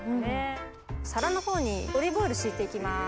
皿のほうにオリーブオイル敷いて行きます。